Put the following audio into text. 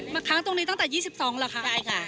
มาทางตรงนี้ตั้งแต่๒๒หรือคะ